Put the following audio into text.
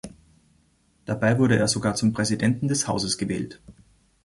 Dabei wurde er sogar zum Präsidenten des Hauses gewählt.